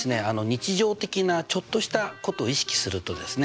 日常的なちょっとしたことを意識するとですね